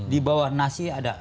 di bawah nasi ada